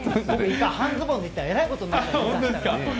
半ズボンでいったらえらいことになりますよ。